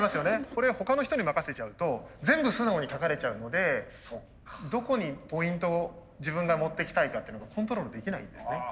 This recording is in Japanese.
これ他の人に任せちゃうと全部素直に書かれちゃうのでどこにポイントを自分がもっていきたいかっていうのがコントロールできないんですね。